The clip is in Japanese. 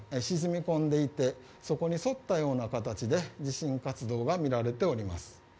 沈み込んでいてそこに沿ったような形で地震活動がみられています。